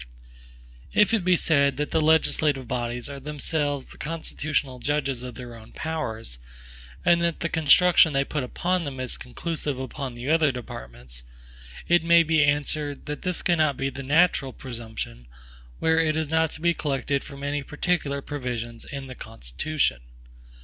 If it be said that the legislative body are themselves the constitutional judges of their own powers, and that the construction they put upon them is conclusive upon the other departments, it may be answered, that this cannot be the natural presumption, where it is not to be collected from any particular provisions in the Constitution.